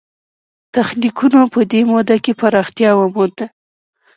تخنیکونو په دې موده کې پراختیا ومونده.